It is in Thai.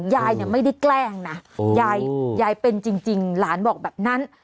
ยายเนี่ยไม่ได้แกล้งนะยายเป็นจริงหลานบอกแบบนั้น